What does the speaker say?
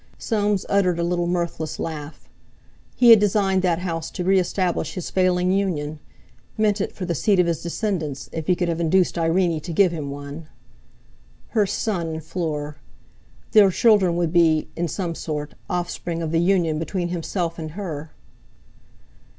Soames uttered a little mirthless laugh. He had designed that house to re establish his failing union, meant it for the seat of his descendants, if he could have induced Irene to give him one! Her son and Fleur! Their children would be, in some sort, offspring of the union between himself and her!